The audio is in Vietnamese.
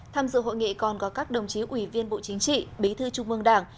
tham dự hội nghị còn có các đồng chí ủy viên bộ chính trị bí thư trung mương đảng